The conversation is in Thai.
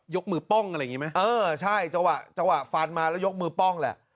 กมือป้องอะไรอย่างนี้ไหมเออใช่จังหวะจังหวะฟันมาแล้วยกมือป้องแหละ